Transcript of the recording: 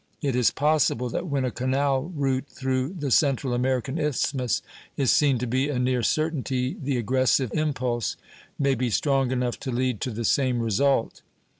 It is possible that when a canal route through the Central American Isthmus is seen to be a near certainty, the aggressive impulse may be strong enough to lead to the same result.